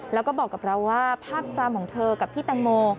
แล้วก็บอกกับเราว่าภาพจำของเธอกับพี่แตงโม